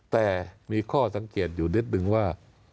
แต่มีข้อสังเกตอยู่นิดนึงว่า